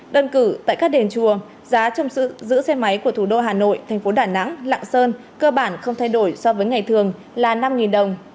đơn cử tại các đền chùa giá trong sự giữ xe máy của thủ đô hà nội thành phố đà nẵng lạng sơn cơ bản không thay đổi so với ngày thường là năm đồng